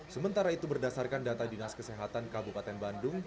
sementara itu berdasarkan data dinas kesehatan kabupaten bandung